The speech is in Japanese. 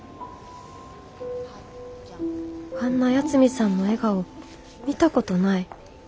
あんな八海さんの笑顔見たことない。